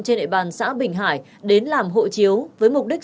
trên địa bàn xã bình hải đến làm hộ chiếu với mục đích